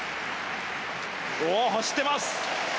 走っています！